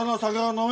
飲め！